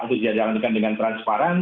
itu diajalankan dengan transparan